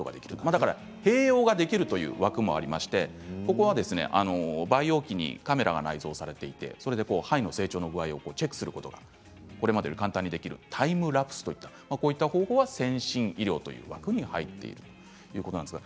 だから併用ができるという枠もありましてここは培養器にカメラが内蔵されていて胚の成長の具合をチェックすることがこれまでよりも簡単にできるタイムラプスという方法は先進医療という枠に入っているということです。